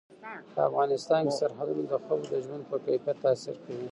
په افغانستان کې سرحدونه د خلکو د ژوند په کیفیت تاثیر کوي.